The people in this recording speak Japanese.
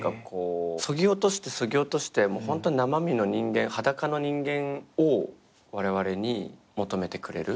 そぎ落としてそぎ落としてホント生身の人間裸の人間をわれわれに求めてくれる。